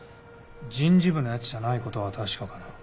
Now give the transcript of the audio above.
人事部のヤツじゃないことは確かかな。